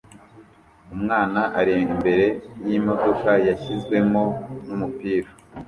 Umwana ari imbere yimodoka yashyizwemo numupira